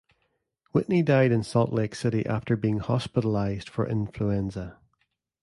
Whitney died in Salt Lake City after being hospitalized for influenza.